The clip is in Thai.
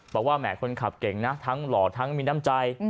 บอกว่าแหมคนขับเก่งนะทั้งหล่อทั้งมีน้ำใจ